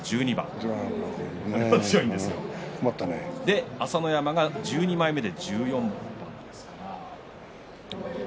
そして朝乃山が１２枚目で１４番です。